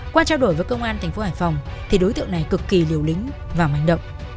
qua trao đổi với công an thành phố hải phòng thì đối tượng này cực kỳ liều lĩnh và manh động